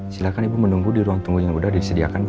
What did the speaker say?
silahkan ibu menunggu di ruang tunggu yang sudah disediakan bu